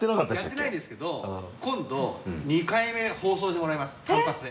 やってないですけど今度２回目放送してもらいます単発で。